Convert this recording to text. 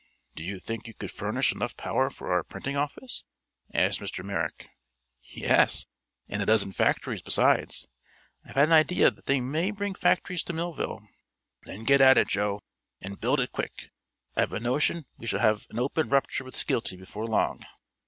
"Do you think you could furnish enough power for our printing office?" asked Mr. Merrick. "Yes; and a dozen factories, besides. I've an idea the thing may bring factories to Millville." "Then get at it, Joe, and build it quick. I've a notion we shall have an open rupture with Skeelty before long."